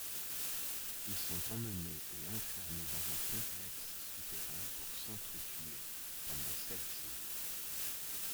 Ils sont emmenés et enfermés dans un complexe souterrain pour s'entretuer pendant sept jours.